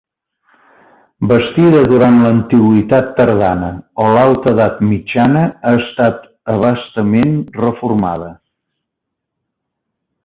Bastida durant l'antiguitat tardana o l'Alta Edat Mitjana ha estat a bastament reformada.